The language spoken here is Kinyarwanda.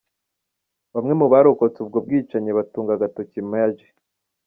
Bamwe mu barokotse ubwo bwicanyi batunga agatoki Maj.